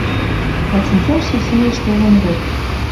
Дӓ сӹнзӓш сусуэш толын вӹд...